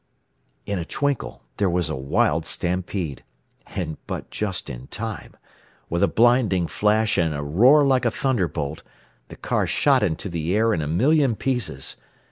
In a twinkle there was a wild stampede. And but just in time. With a blinding flash and a roar like a thunderbolt, the car shot into the air in a million pieces.